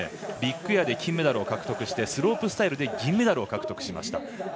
ビッグエアで金メダルを獲得してスロープスタイルで銀メダルを獲得しました。